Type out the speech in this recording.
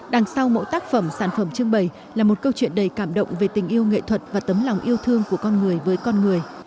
đằng sau mỗi tác phẩm sản phẩm trưng bày là một câu chuyện đầy cảm động về tình yêu nghệ thuật và tấm lòng yêu thương của con người với con người